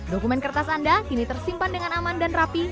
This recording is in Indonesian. dokumen kertas anda kini tersimpan dengan aman dan rapi